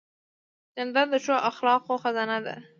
جانداد د ښو اخلاقو خزانه ده.